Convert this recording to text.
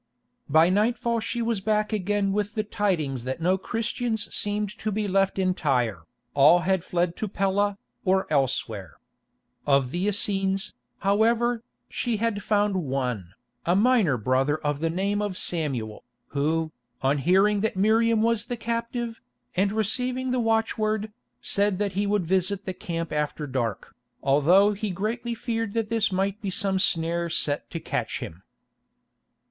By nightfall she was back again with the tidings that no Christians seemed to be left in Tyre; all had fled to Pella, or elsewhere. Of the Essenes, however, she had found one, a minor brother of the name of Samuel, who, on hearing that Miriam was the captive, and receiving the watchword, said that he would visit the camp after dark, although he greatly feared that this might be some snare set to catch him.